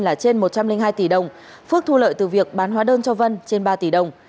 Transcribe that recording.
là trên một trăm linh hai tỷ đồng phước thu lợi từ việc bán hóa đơn cho vân trên ba tỷ đồng